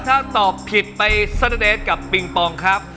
ถ้าตอบผิดไปสเดอร์เดสกับปิงปองครับ